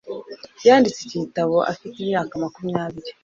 Yanditse iki gitabo afite imyaka makumyabiri.